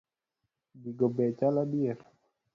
Gigo be chal adier?